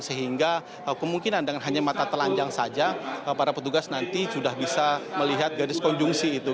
sehingga kemungkinan dengan hanya mata telanjang saja para petugas nanti sudah bisa melihat gadis konjungsi itu